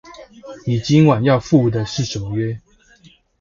你今晚要赴的是什麼約